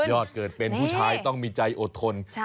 อดเกิดเป็นผู้ชายต้องมีใจอดทน